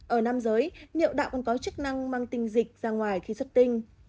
ở nam giới nhiễu đạo còn có chức năng mang tinh dịch ra ngoài khi xuất tinh